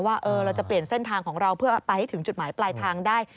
ว่าเราจะเปลี่ยนเส้นทางของเราเพื่อไปให้ถึงจุดหมายปลายทางได้